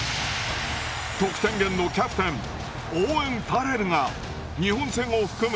得点源のキャプテンオーウェン・ファレルが日本戦を含む